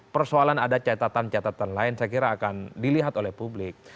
persoalan ada catatan catatan lain saya kira akan dilihat oleh publik